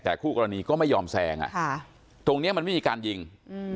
แต่คู่กรณีก็ไม่ยอมแซงอ่ะค่ะตรงเนี้ยมันไม่มีการยิงอืม